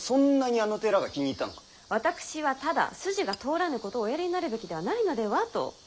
私はただ筋が通らぬことをおやりになるべきではないのではと。